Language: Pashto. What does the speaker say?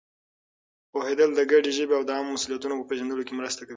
پوهېدل د ګډې ژبې او د عامو مسؤلیتونو په پېژندلو کې مرسته کوي.